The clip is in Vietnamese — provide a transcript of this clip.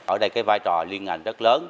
ở đây cái vai trò liên ngành rất lớn